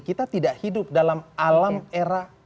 kita tidak hidup dalam alam era